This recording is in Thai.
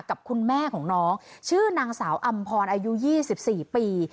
กับคุณแม่ของน้องชื่อนางสาวอำพรอายุ๒๔ปี